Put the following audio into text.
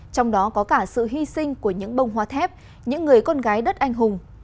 trong đó có cả sự hy sinh của những bông hoa thép những người con gái đất anh hùng